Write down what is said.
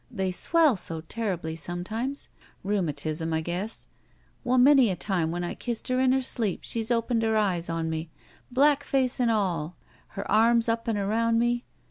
They swell so terribly sometimes. Rheiunatism, I guess. Well, many a time when I kissed her in her sleep she's opened her eyes on me — ^black face and all. Her arms up and around me.